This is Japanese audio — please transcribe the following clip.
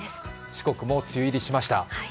四国も梅雨入りしました。